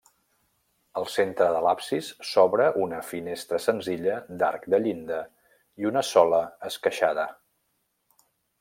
Al centre de l'absis s'obre una finestra senzilla d'arc de llinda i una sola esqueixada.